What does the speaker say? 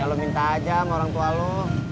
lo minta aja sama orang tua lo